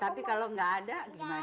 tapi kalau nggak ada gimana